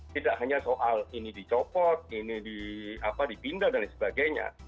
tidak hanya soal ini dicopot ini dipindah dan lain sebagainya